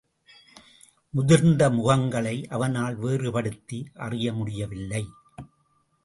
முதிர்ந்த முகங்களை அவனால் வேறுபடுத்தி அறியமுடியவில்லை.